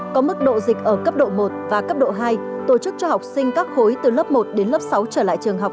có mức độ dịch ở cấp độ một và cấp độ hai tổ chức cho học sinh các khối từ lớp một đến lớp sáu trở lại trường học